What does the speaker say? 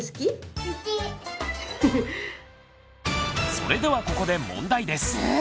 それではここで問題です。